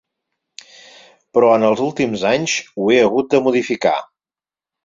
Però en els últims anys ho he hagut de modificar.